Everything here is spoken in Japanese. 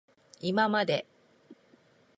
いままで